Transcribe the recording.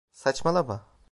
Saçmalama!